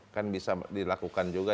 kan bisa dilakukan juga